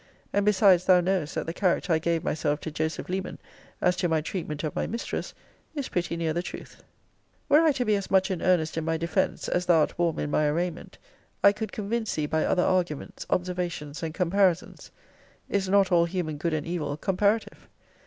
And besides, thou knowest that the character I gave myself to Joseph Leman, as to my treatment of my mistress, is pretty near the truth.* * See Vol. III. Letter XLVIII. Were I to be as much in earnest in my defence, as thou art warm in my arraignment, I could convince thee, by other arguments, observations, and comparisons, [Is not all human good and evil comparative?